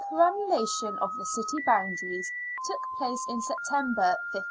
A PERAMBULATION of the city boundaries took place in September, 1584.